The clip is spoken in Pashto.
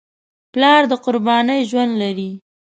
پلار د قربانۍ ژوند لري.